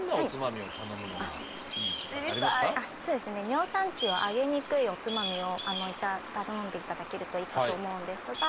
尿酸値を上げにくいおつまみを頼んでいただけるといいかと思うんですが。